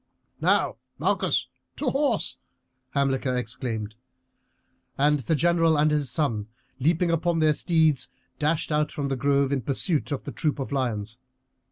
"Now, Malchus, to horse!" Hamilcar exclaimed. And the general and his son, leaping upon their steeds, dashed out from the grove in pursuit of the troop of lions.